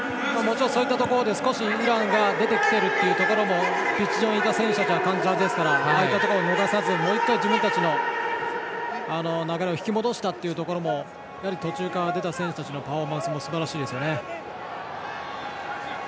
そういったところでイングランドが出てきているというところはピッチ上にいた選手は感じていたはずなのでああいったところを逃さずもう１回、自分たちの流れを引き戻したところも途中から出た選手たちのパフォーマンスもすばらしいですね。